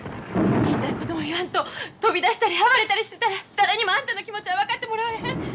言いたいことも言わんと飛び出したり暴れたりしてたら誰にもあんたの気持ちは分かってもらわれへん。